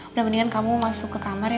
udah mendingan kamu masuk ke kamarnya